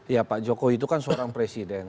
ya pak jokowi itu kan seorang presiden